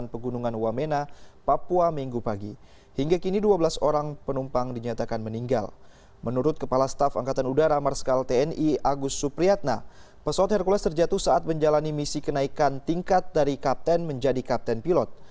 pesawat hercules terjatuh saat menjalani misi kenaikan tingkat dari kapten menjadi kapten pilot